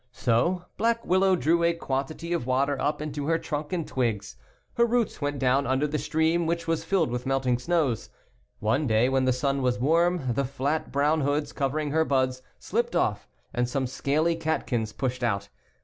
(/,% Wi "m So Black Willow drew a quantity of water up into her trunk and twigs. Her roots went down under the stream which was filled with melt ing snows. One day when the sun was warm the flat brown ^\ hoods covering her buds slipped off and some scaly catkins pushed out.